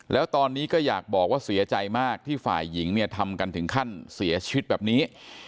แล้วตอนนี้ก็อยากบอกว่าเสียใจมากที่ฝ่ายหญิงเนี่ยทำกันถึงขั้นเสียชีวิตแบบนี้